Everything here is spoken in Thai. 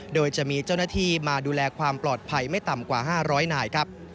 โดยจะมีเจ้าหน้าที่มาดูแลความปลอดภัยไม่ต่ำกว่า๕๐๐นายครับ